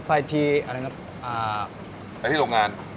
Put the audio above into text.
ไปที่โรงงาน